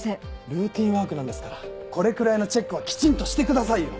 ルーティンワークなんですからこれくらいのチェックはきちんとしてくださいよ。